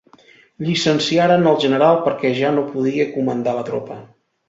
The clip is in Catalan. Llicenciaren el general perquè ja no podia comandar la tropa.